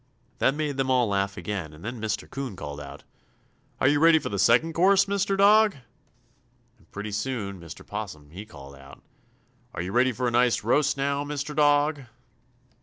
That made them all laugh again, and then Mr. 'Coon called out: "Are you ready for the second course, Mr. Dog?" And pretty soon Mr. 'Possum he called out: "Are you ready for a nice roast now, Mr. Dog?"